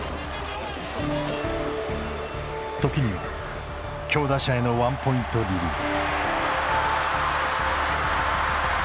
時には強打者へのワンポイントリリーフ。